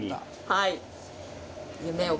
はい。